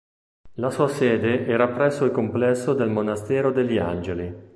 La sua sede era presso il complesso del Monastero degli Angeli.